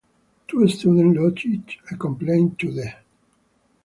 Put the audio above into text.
Two students lodged a complaint to the.